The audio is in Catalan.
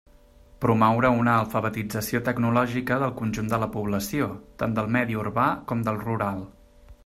Promoure una alfabetització tecnològica del conjunt de la població, tant del medi urbà com del rural.